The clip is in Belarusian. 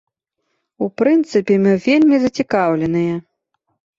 У прынцыпе, мы вельмі зацікаўленыя.